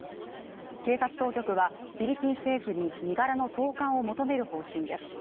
警察当局はフィリピン政府に身柄の送還を求める方針です。